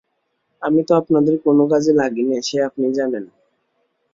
আমি তো আপনাদের কোনো কাজে লাগি নে, সে আপনি জানেন।